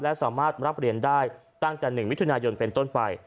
และสามารถรับเหรียญได้ตั้งแต่๑มิถุนายนเป็นต้นไป